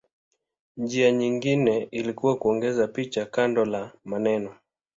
Njia nyingine ilikuwa kuongeza picha kando la maneno.